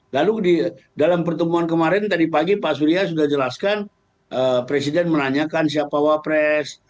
lalu dalam pertemuan kemarin tadi pagi pak surya sudah jelaskan presiden menanyakan siapa wapres